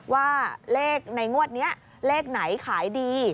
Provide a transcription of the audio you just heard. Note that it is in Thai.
ว่าเลขในงวดนี้เลขไหนขายดี